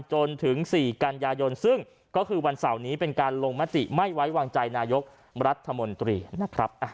จนถึง๔กันยายนซึ่งก็คือวันเสาร์นี้เป็นการลงมติไม่ไว้วางใจนายกรัฐมนตรีนะครับ